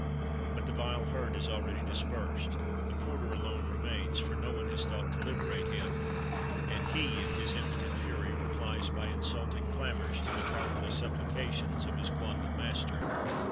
But the vile herd is already dispersed; the porter alone remains for no one has thought to liberate him and he, in his impotent fury, replies by insulting clamours to the cowardly supplications of his quondam master.